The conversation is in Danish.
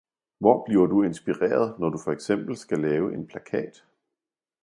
Hvor bliver du inspireret, når du fx skal lave en plakat?